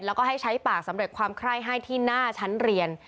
แล้วก็ให้ใช้ปากสำเร็จความไคร้ให้ที่หน้าชั้นเรียน